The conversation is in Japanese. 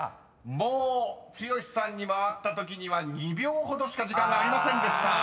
［もう剛さんに回ったときには２秒ほどしか時間がありませんでした］